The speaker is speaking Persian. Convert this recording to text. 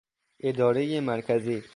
ادارهی مرکزی